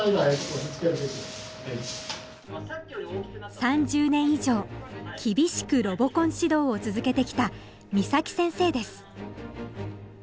３０年以上厳しくロボコン指導を続けてきた三先生です